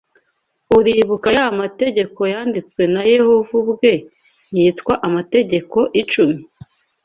Uribuka ya mategeko yanditswe na Yehova ubwe yitwa Amategeko Icumi